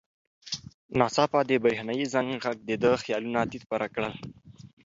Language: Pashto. ناڅاپه د برېښنایي زنګ غږ د ده خیالونه تیت پرک کړل.